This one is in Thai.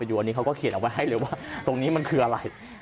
ดูอันนี้เขาก็เขียนเอาไว้ให้เลยว่าตรงนี้มันคืออะไร